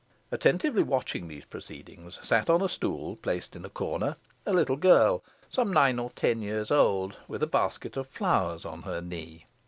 Attentively watching these proceedings sat on a stool, placed in a corner, a little girl, some nine or ten years old, with a basket of flowers on her knee.